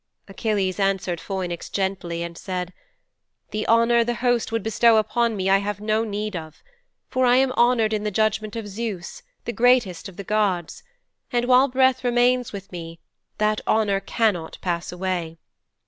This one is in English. "' 'Achilles answered Phoinix gently and said, "The honour the host would bestow upon me I have no need of, for I am honoured in the judgment of Zeus, the greatest of the gods, and while breath remains with me that honour cannot pass away.